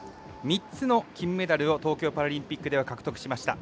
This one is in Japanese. ３つの金メダルを東京パラリンピックでは獲得しました。